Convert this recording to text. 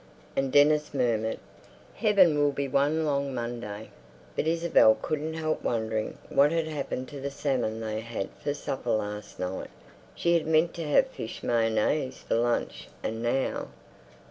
And Dennis murmured, "Heaven will be one long Monday." But Isabel couldn't help wondering what had happened to the salmon they had for supper last night. She had meant to have fish mayonnaise for lunch and now....